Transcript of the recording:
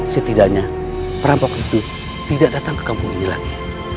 setidaknya perampok itu tidak datang ke kampung ini lagi